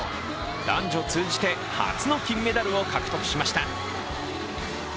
男女通じて初の金メダルを獲得しました。